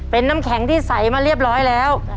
เป็นน้ำแข็งที่ใสมาเรียบร้อยแล้ว